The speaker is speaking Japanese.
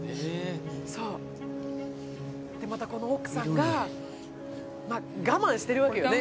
そうでまたこの奥さんが我慢してるわけよね